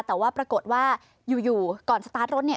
แต่ว่าปรากฏว่าอยู่ก่อนสตาร์ทรถเนี่ย